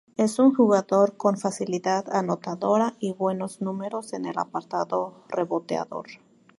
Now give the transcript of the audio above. Es un jugador con facilidad anotadora y buenos números en el apartado reboteador.